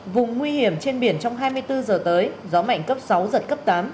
vùng nguy hiểm trên biển trong hai mươi bốn giờ tới gió mạnh cấp sáu giật cấp tám